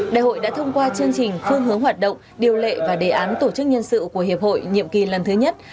đại hội đã thông qua chương trình phương hướng hoạt động điều lệ và đề án tổ chức nhân sự của hiệp hội nhiệm kỳ lần thứ nhất